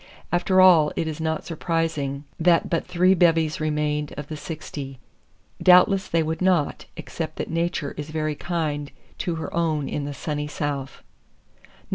After all it is not surprising that but three bevies remained of the sixty. Doubtless they would not, except that nature is very kind to her own in the sunny South.